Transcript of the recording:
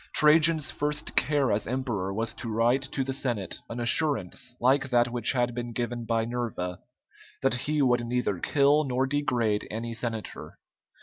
Trajan's first care as emperor was to write to the Senate an assurance like that which had been given by Nerva, that he would neither kill nor degrade any senator.